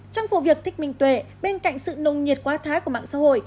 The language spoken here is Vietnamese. trong vụ việc thích minh tuệ bên cạnh sự nồng nhiệt quá thái của mạng xã hội